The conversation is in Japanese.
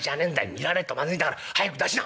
見られるとまずいんだから早く出しな」。